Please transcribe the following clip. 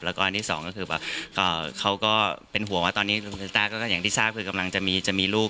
แล้วก็อันที่สองก็คือแบบเขาก็เป็นห่วงว่าตอนนี้คุณซิต้าก็อย่างที่ทราบคือกำลังจะมีลูก